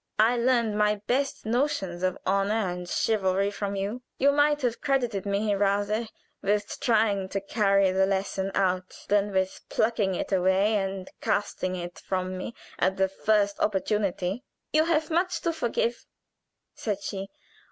I learned my best notions of honor and chivalry from you. You might have credited me rather with trying to carry the lesson out than with plucking it away and casting it from me at the first opportunity." "You have much to forgive," said she.